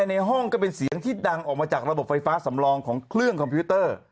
ในห้องก็เป็นเสียงที่ดังออกมาจากระบบไฟฟ้าสำรองของเครื่องคอมพิวเตอร์